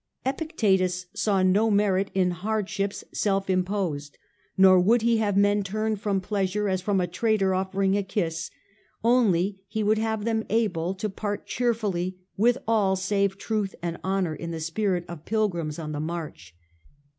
Epictetus saw no merit in hardships self imposed, nor would he have men turn from pleasure as from a traitor offering a kiss; only he would have them able to part cheerfully with all save truth and honour, in yjj) spirit of pilgrims on the march.